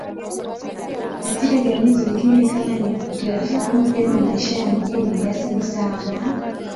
katika jamii zingineKama ni kutoyafahamu vyema maisha ya mjini basi ni sawa na